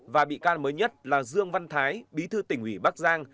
và bị can mới nhất là dương văn thái bí thư tỉnh ủy bắc giang